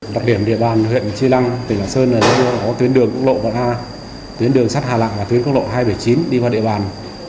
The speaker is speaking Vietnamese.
đặc điểm địa bàn huyện tri lăng tỉnh hà sơn là có tuyến đường quốc lộ hai a tuyến đường sắt hà lạng và tuyến quốc lộ hai trăm bảy mươi chín đi qua địa bàn